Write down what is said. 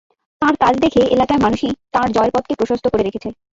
তাঁর কাজ দেখে এলাকার মানুষই তাঁর জয়ের পথকে প্রশস্ত করে রেখেছে।